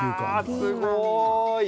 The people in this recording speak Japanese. すごーい！